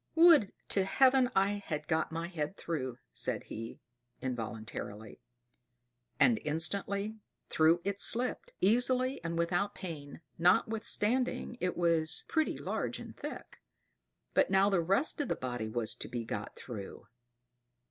"Would to Heaven I had got my head through!" said he, involuntarily; and instantly through it slipped, easily and without pain, notwithstanding it was pretty large and thick. But now the rest of the body was to be got through!